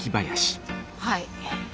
はい。